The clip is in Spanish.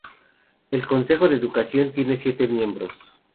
El consejo de educación tiene siete miembros.